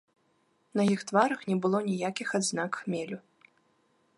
На іх тварах не было ніякіх адзнак хмелю.